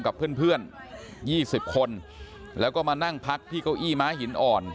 กับเพื่อน๒๐คนแล้วก็มานั่งพักที่เก้าอี้ม้าหินอ่อน